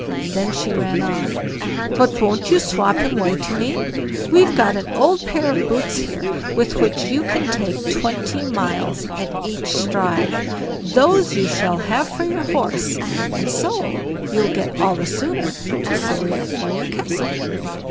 Then she ran on: "But won't you swop him away to me?—we've got an old pair of boots here, with which you can take twenty miles at each stride; those you shall have for your horse, and so you'll get all the sooner to SORIA MORIA CASTLE."